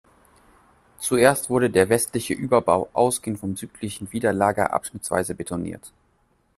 Zuerst wurde der westliche Überbau, ausgehend vom südlichen Widerlager, abschnittsweise betoniert.